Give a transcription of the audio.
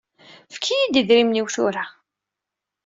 Fket-iyi-d idrimen-iw tura.